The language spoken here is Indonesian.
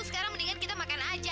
sekarang mendingan kita makan aja